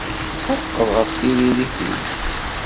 Tetḥeqqeḍ ɣef tririt-ik?